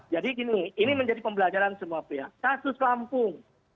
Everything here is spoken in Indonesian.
jadi ini menjadi pembelajaran semua kasus lampung